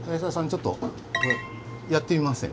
ちょっとやってみません？